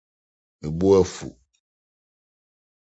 Me bo afuw.